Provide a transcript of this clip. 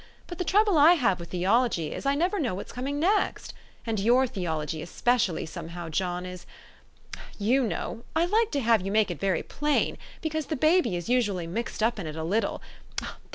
But the trouble I have with theology is, I never know what is coming next. And your theology especially, somehow, John,. is you know I like to have you make it very plain, because the baby is usually mixed up in it a little (there